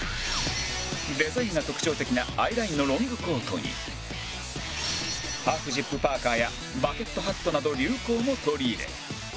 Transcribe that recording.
デザインが特徴的な Ｉ ラインのロングコートにハーフジップパーカーやバケットハットなど流行も取り入れ